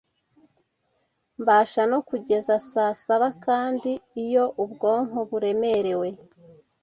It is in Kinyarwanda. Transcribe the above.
Mbasha no kugeza saa saba, kandi iyo ubwonko buremerewe